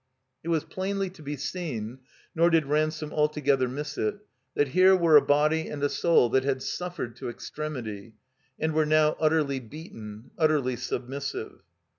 It was plainly to be seen (nor did Ransome altogether mjss it) that here were a body and a soul that had stiff ered to extremity, and were now utterly beaten, utterly submissive.